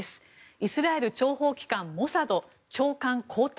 イスラエル諜報機関モサド長官交代。